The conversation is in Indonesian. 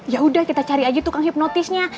yaudah kita cari aja tukang hipnotisnya